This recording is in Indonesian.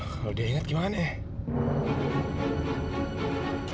kalo dia inget gimana ya